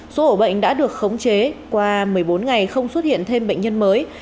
số ổ bệnh đã được khống chế qua một mươi bốn ngày không xuất hiện thêm bệnh nhân mới